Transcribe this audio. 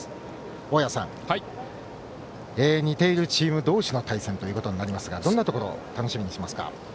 大矢さん、似ているチーム同士の対戦となりますがどんなところを楽しみにしていますか。